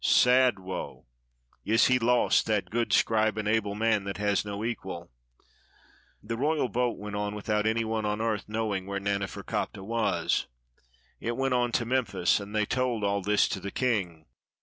Sad woe! Is he lost, that good scribe and able man that has no equal?" The royal boat went on without any one on earth knowing where Naneferkaptah was. It went on to Mem phis, and they told all this to the king.